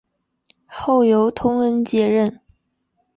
后由通恩接任。